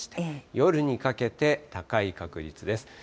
夜にかけて高い確率です。